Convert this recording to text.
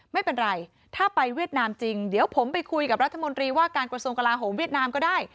ไม่เป็นไรถ้าไปเวียดนามจริงเดี๋ยวผมไปคุยกับรัฐมนตรีว่าการกระทรวงกลาโหมเวียดนามก็ได้